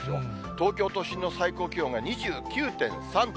東京都心の最高気温が２９．３度。